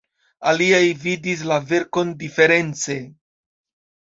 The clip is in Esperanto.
Aliaj vidis la verkon diference.